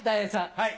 はい。